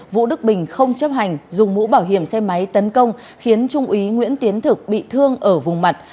vũ đức bình không chấp hành dùng mũ bảo hiểm xe máy tấn công khiến trung úy nguyễn tiến thực bị thương ở vùng mặt